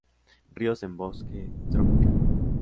Ríos en bosque tropical.